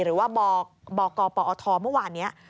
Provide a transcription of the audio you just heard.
หรือว่าบกปอทเมื่อวานนี้